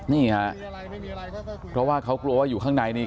นี่ฮะเพราะว่าเขากลัวว่าอยู่ข้างในนี่